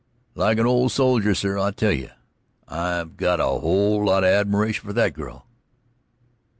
"Like an old soldier, sir. I tell you, I've got a whole lot of admiration for that girl."